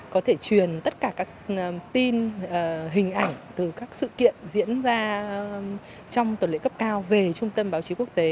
có thể truyền tất cả các tin hình ảnh từ các sự kiện diễn ra trong tuần lễ cấp cao về trung tâm báo chí quốc tế